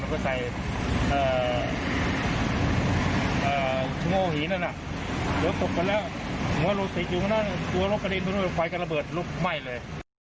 เพราะตัวน้ำมันคว้ายกับระเบิดลูกไหม้เลย